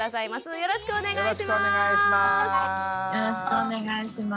よろしくお願いします。